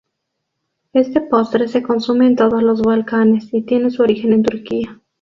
Este postre se consume en todos los Balcanes, y tiene su origen en Turquía.